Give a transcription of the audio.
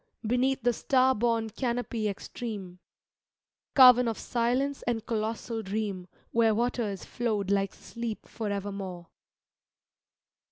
Beneath the star^bome canopy extreme— Carven of silence and colossal dream, Where waters flowed like sleep forevermore.